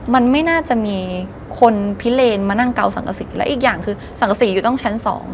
มันไม่น่าจะมีคนพิเลนมานั่งเกาสังกษีและอีกอย่างคือสังกษีอยู่ต้องชั้น๒